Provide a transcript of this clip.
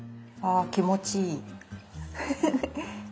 ああ気持ちいい。